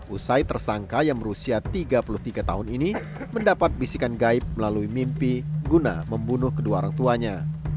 usai tersangka yang berusia tiga puluh tiga tahun ini mendapat bisikan gaib melalui mimpi guna membunuh kedua orang tuanya